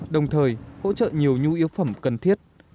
đồng thời hỗ trợ nhiều nhu yếu phẩm cần thiết